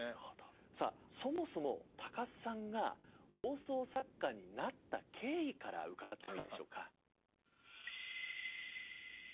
さあそもそも高須さんが放送作家になった経緯から伺ってもいいでしょうか？